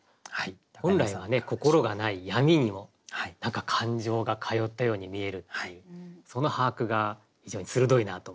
本来は心がない闇にも何か感情が通ったように見えるっていうその把握が非常に鋭いなと思いました。